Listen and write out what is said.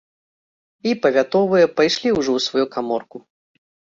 І павятовыя пайшлі ўжо ў сваю каморку.